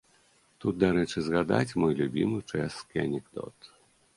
Тут дарэчы згадаць мой любімы чэшскі анекдот.